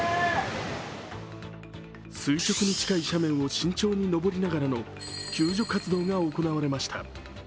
垂直に近い斜面を慎重に登りながらの救助活動が行われました。